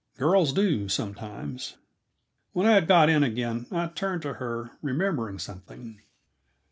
Girls do, sometimes. When I had got in again, I turned to her, remembering something.